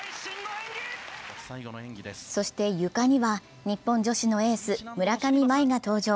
そして、ゆかには日本女子のエース・村上茉愛が登場。